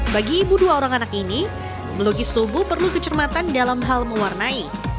bagi ibu dua orang anak ini melukis tubuh perlu kecermatan dalam hal mewarnai